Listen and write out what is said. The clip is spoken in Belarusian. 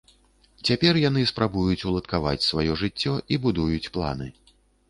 Цяпер яны спрабуюць уладкаваць сваё жыццё і будуюць планы.